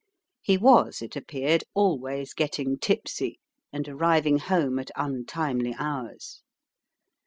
He was, it appeared, always getting tipsy and arriving home at untimely hours.